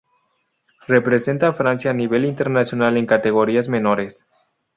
Representa a Francia a nivel internacional en categorías menores.